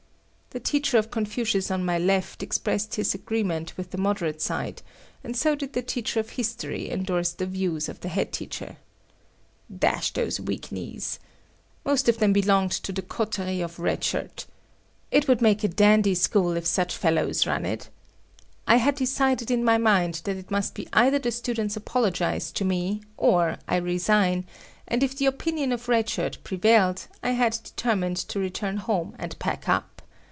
The teacher of Confucius on my left expressed his agreement with the moderate side, and so did the teacher of history endorse the views of the head teacher. Dash those weak knees! Most of them belonged to the coterie of Red Shirt. It would make a dandy school if such fellows run it. I had decided in my mind that it must be either the students apologize to me or I resign, and if the opinion of Red Shirt prevailed, I had determined to return home and pack up.